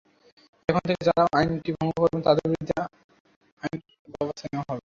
এখন থেকে যাঁরা আইনটি ভঙ্গ করবেন, তাদের বিরুদ্ধে আইনানুগ ব্যবস্থা নেওয়া হবে।